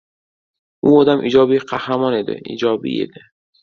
U odam ijobiy qahramon edi, ijobiy edi.